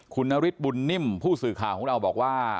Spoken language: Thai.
คุณนฤทธิบุญนิ่มผู้สื่อข่าวของเราบอกว่า